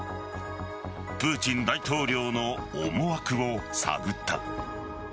プーチン大統領の思惑を探った。